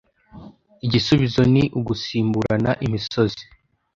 Igisubizo ni ugusimburana imisozi